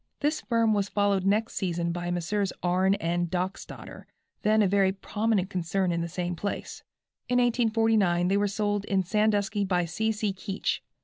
This firm was followed next season by Messrs. R. & N. Dockstadter, then a very prominent concern in the same place. In 1849 they were sold in Sandusky by C. C. Keech.